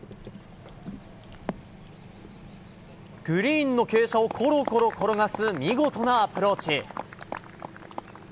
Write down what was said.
グリーンの傾斜をころころ転がす見事なアプローチ。